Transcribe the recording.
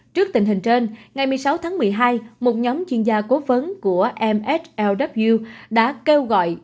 trước tình hình trên ngày một mươi sáu tháng một mươi hai một nhóm chuyên gia cố vấn của mslw đã kêu gọi